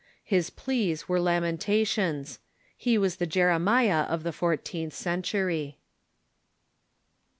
His pleas were lamentations. He was the Jeremiah of the four teenth century.